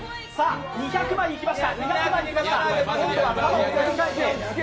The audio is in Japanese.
２００枚いきました。